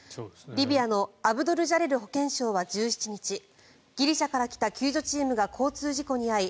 リビアのアブドルジャレル保健相は１７日ギリシャから来た救助チームが交通事故に遭い